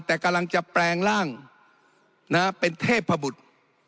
แต่กำลังจะแปลงร่างเป็นเทพบุตร